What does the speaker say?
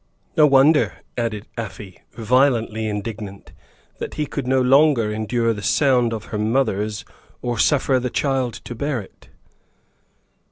No wonder," added Afy, violently indignant, "that he could no longer endure the sound of her mother's or suffer the child to bear it."